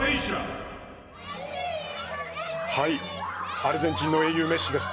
アルゼンチンの英雄メッシです。